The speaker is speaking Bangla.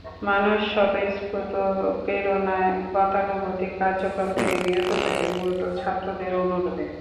মানুষ স্বতঃস্ফূর্ত প্রেরণায় গতানুগতিক কার্যক্রম থেকে বিরত থাকে, মূলত ছাত্রদের অনুরোধে।